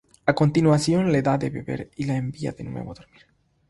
A continuación le da de beber y la envía de nuevo a dormir.